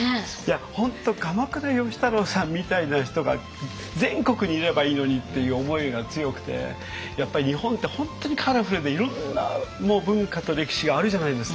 本当鎌倉芳太郎さんみたいな人が全国にいればいいのにっていう思いが強くてやっぱり日本って本当にカラフルでいろんな文化と歴史があるじゃないですか。